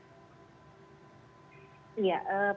ya peningkatan kasus ya mungkin